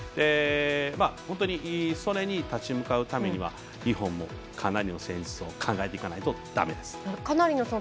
本当にそれに立ち向かうためには日本もかなりの戦術を考えていかないとだめです。